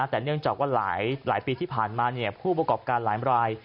แต่เนื่องจากว่าหลายปีที่ผ่านมาผู้ประกอบการหลายราย